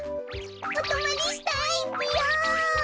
おとまりしたいぴよ！